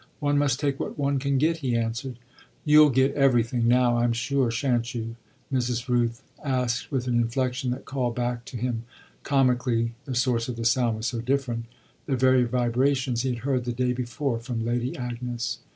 One must take what one can get," he answered. "You'll get everything now, I'm sure, shan't you?" Mrs. Rooth asked with an inflexion that called back to him comically the source of the sound was so different the very vibrations he had heard the day before from Lady Agnes.